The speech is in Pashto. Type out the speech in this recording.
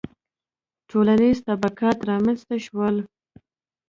• ټولنیز طبقات رامنځته شول.